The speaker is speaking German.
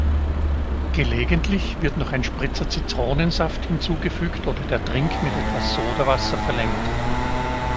Gelegentlich wird noch ein Spritzer Zitronensaft hinzugefügt oder der Drink mit etwas Sodawasser verlängert.